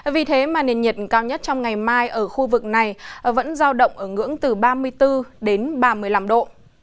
vì thế mà nền nhiệt cao nhất trong ngày mai ở khu vực này vẫn giao động ở ngưỡng từ ba mươi bốn đến ba mươi năm độ